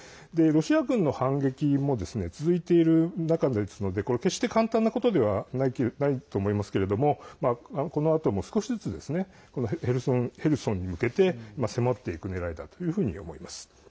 ロシア軍の反撃も続いている中ですので決して簡単なことではないと思いますけれどもこのあとも少しずつヘルソンに向けて迫っていくねらいだというふうに思います。